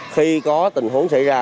khi có tình huống xảy ra